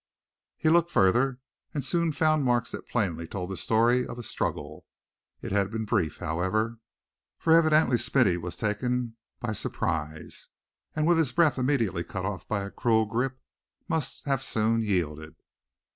He looked further, and soon found marks that plainly told the story of a struggle. It had been brief, however, for evidently Smithy was evidently taken by surprise, and with his breath immediately cut off by a cruel grip, must have soon yielded.